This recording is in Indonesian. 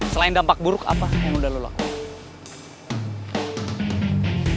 selain dampak buruk apa yang udah lo lakukan